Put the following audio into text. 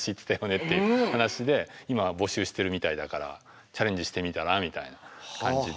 って話で今募集してるみたいだからチャレンジしてみたらみたいな感じで。